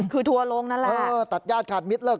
คือทัวร์ลงนั่นแหละเออตัดญาติขาดมิตรเลิ